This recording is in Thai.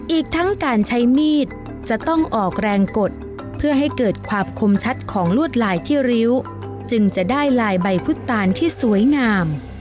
อีกทั้งการใช้มีดจะต้องออกแรงกดเพื่อให้เกิดความคมชัดของลวดลายที่ริ้วจึงจะได้ลายใบพุทธตาลที่สวยงาม